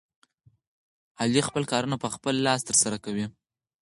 علي خپل کارونه په خپل لاس ترسره کوي.